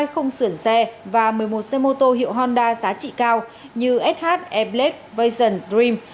hai khung sưởng xe và một mươi một xe mô tô hiệu honda giá trị cao như sh airblade vision dream